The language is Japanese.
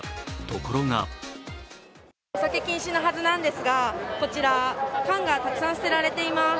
ところがお酒禁止のはずなんですが缶がたくさん捨てられています。